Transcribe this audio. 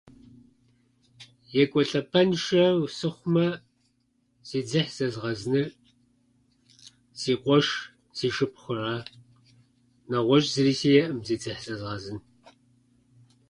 Екӏуэлӏэпӏэншэу сыхъумэ, си дзыхь зэзгъэзыныр си къуэш, си шыпхъура. Нэгъуэщӏ зыри сиӏэӏым си дзыхь зэзгъэзын.